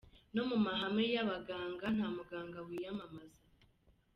No mu mahame y’abaganga nta muganga wiyamamaza.